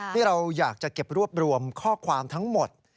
ที่เราอยากจะเก็บรวบรวมข้อความทั้งหมด